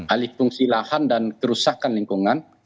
alih fungsi lahan dan kerusakan lingkungan